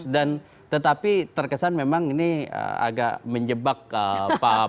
dan tetapi terkesan memang ini agak menjebak pak prabowo pada saat ini